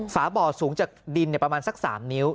ฝาบ่อสูงจากดินประมาณสัก๓นิ้ว